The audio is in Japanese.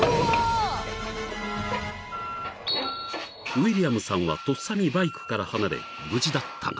［ウィリアムさんはとっさにバイクから離れ無事だったが］